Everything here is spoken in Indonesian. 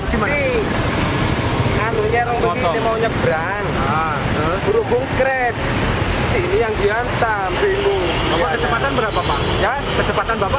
pelan dia itu mau nyebrang gini agak berlalu